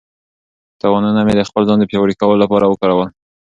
تاوانونه مې د خپل ځان د پیاوړي کولو لپاره وکارول.